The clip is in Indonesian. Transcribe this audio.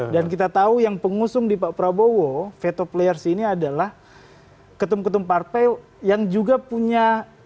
dan kita tahu yang pengusung di pak prabowo veto players ini adalah ketum ketum partai yang juga punya